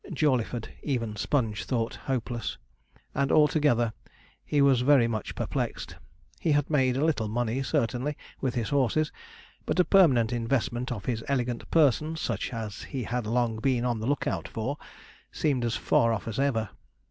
Jawleyford, even Sponge thought hopeless; and, altogether, he was very much perplexed. He had made a little money certainly, with his horses; but a permanent investment of his elegant person, such as he had long been on the look out for, seemed as far off as ever.